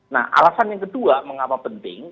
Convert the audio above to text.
nah alasan yang kedua mengapa penting